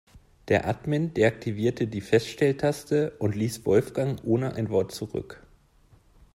Der Admin deaktivierte die Feststelltaste und ließ Wolfgang ohne ein Wort zurück.